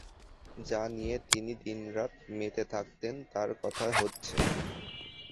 যা নিয়ে তিনি দিনরাত মেতে থাকতেন, তার কথা হচ্ছে।